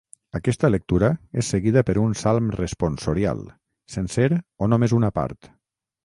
Aquesta lectura és seguida per un Salm Responsorial, sencer o només una part.